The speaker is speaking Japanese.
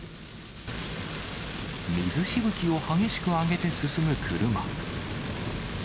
水しぶきを激しく上げて進む車。